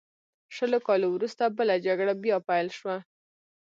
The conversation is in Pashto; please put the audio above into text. شلو کالو وروسته بله جګړه بیا پیل شوه.